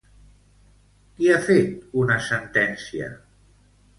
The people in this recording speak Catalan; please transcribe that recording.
Qui ha fet una sentència?